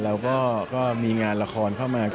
เราก็มีงานละครเข้ามา